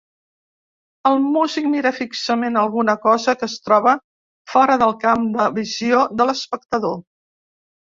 El músic mira fixament alguna cosa que es troba fora del camp de visió de l'espectador.